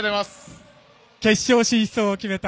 決勝進出を決めた